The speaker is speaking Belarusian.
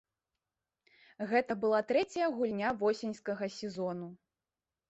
Гэта была трэцяя гульня восеньскага сезону.